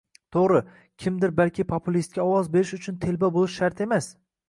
To‘g‘ri, kimdir balki populistga ovoz berish uchun telba bo‘lish shart emas